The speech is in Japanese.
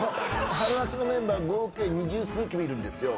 春秋のメンバー合計二十数組いるんですよ